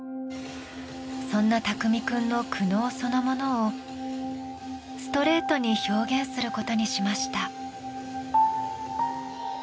そんなＴＡＫＵＭＩ君の苦悩そのものをストレートに表現することにしました。